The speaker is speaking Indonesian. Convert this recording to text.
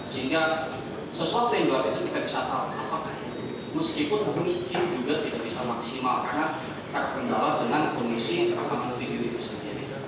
sehingga sesuatu yang luar biasa kita bisa tahu apakah itu meskipun mungkin juga tidak bisa maksimal karena terkendala dengan kondisi yang terkait dengan video itu sendiri